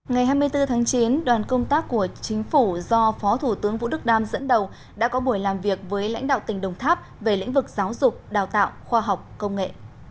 ngày hai mươi bốn tháng chín đoàn công tác của chính phủ do phó thủ tướng vũ đức đam dẫn đầu đã có buổi làm việc với lãnh đạo tỉnh đồng tháp về lĩnh vực giáo dục đào tạo khoa học công nghệ